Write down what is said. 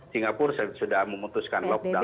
singapura sudah memutuskan lockdown